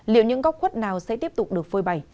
liệu những góc khuất nào sẽ tiếp tục được phơi bày